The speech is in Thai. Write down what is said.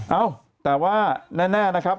เอ้าแต่ว่าแน่นะครับ